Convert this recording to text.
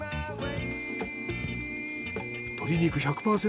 鶏肉１００％